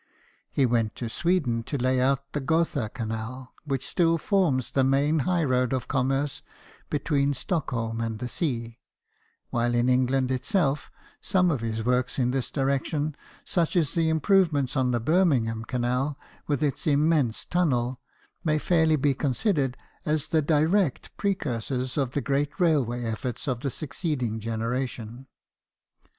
He went to Sweden to lay out the Gotha Canal, which still forms the main high road of commerce between Stockholm and the sea ; while in England itself some of his works in this direction such as the improvements on the Birmingham Canal, with its immense tunnel may fairly be considered as the direct precursors of the great railway efforts of the succeeding generation. THOMAS TELFORD, STONEMASON.